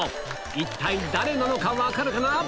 一体誰なのか分かるかな？